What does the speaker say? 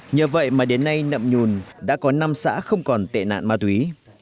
nhờ vậy mà đến nay nậm nhùn đã có năm xã không còn tệ nạn ma túy